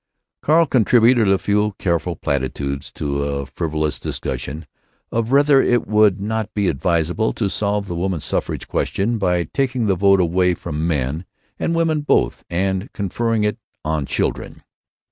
Carl contributed a few careful platitudes to a frivolous discussion of whether it would not be advisable to solve the woman suffrage question by taking the vote away from men and women both and conferring it on children.